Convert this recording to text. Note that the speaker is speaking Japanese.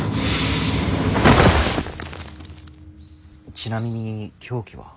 ちなみに凶器は？